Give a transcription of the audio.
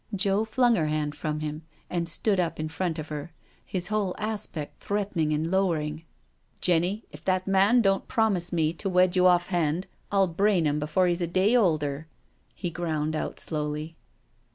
Joe flung her hand from him and stood up in front of her, his whole aspect threatening and lowering. " Jenny, if that man don't promise me to wed you off hand, I'll brain him before he's a day older," he ground out slowly.